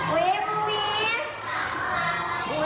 เว้ยคุณวิน